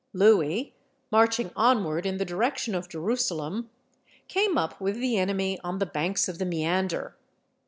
Louis, marching onward in the direction of Jerusalem, came up with the enemy on the banks of the Meander.